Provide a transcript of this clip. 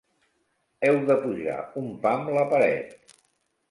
Heu de pujar un pam la paret.